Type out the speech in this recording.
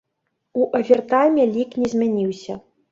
У авертайме лік не змяніўся.